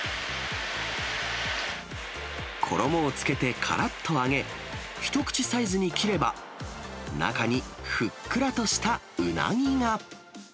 衣をつけてからっと揚げ、一口サイズに切れば、中にふっくらとしたうなぎが。